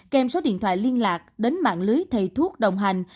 kèm số điện thoại liên lạc đến mạng lưới thầy thuốc đồng hành